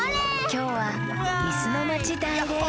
きょうはいすのまちだいレース！